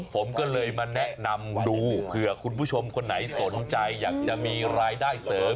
ผมก็เลยมาแนะนำดูเผื่อคุณผู้ชมคนไหนสนใจอยากจะมีรายได้เสริม